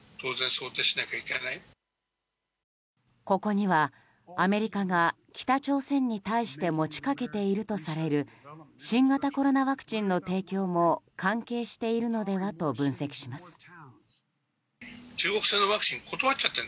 ここには、アメリカが北朝鮮に対して持ち掛けているとされる新型コロナワクチンの提供も関係しているのではと分析します。